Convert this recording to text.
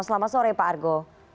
selamat sore pak argo